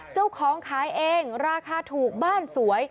เจ้าของขายเองราคาถูกบ้านสวย